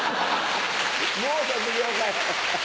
もう卒業かよ！